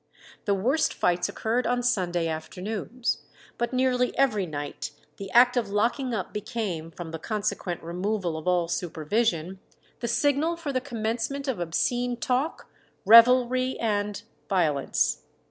The worst fights occurred on Sunday afternoons; but nearly every night the act of locking up became, from the consequent removal of all supervision, the signal for the commencement of obscene talk, revelry, and violence.